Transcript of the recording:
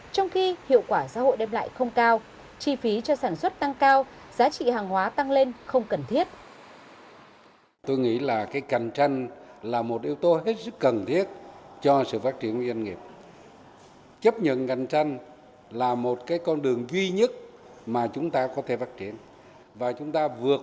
trong khi hiệu quả xã hội đem lại không cao chi phí cho sản xuất tăng cao giá trị hàng hóa tăng lên không cần thiết